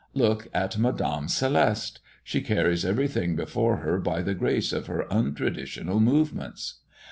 Look at Madame Celeste. She carries everything before her by the grace of her untraditional movements."